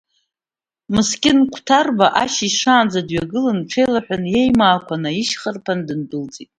Мыскьын Қәҭарба шьыжь шаанӡа дҩагылан, иҽеилаҳәаны, иеимаақәа наишьхарԥаны дындәылҵит.